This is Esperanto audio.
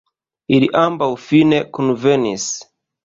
Ili ambaŭ fine kunvenis.